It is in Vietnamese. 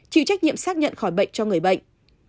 chịu trách nhiệm xác nhận khỏi bệnh cho người bệnh